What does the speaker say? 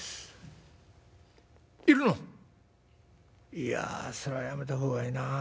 いやそれはやめた方がいいな」。